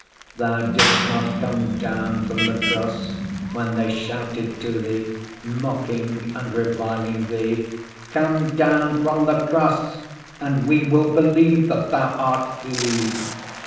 Thou didst not come down from the Cross when they shouted to Thee, mocking and reviling Thee, "Come down from the cross and we will believe that Thou art He."